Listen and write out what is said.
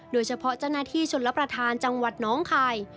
โดยเฉพาะเจ้าหน้าที่ชนรับประทานจังหวัดน้องคาย